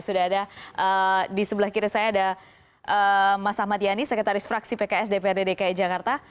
sudah ada di sebelah kiri saya ada mas ahmad yani sekretaris fraksi pks dprd dki jakarta